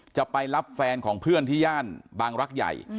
จะไปรับแฟนของเพื่อนที่ย่านบางรักใหญ่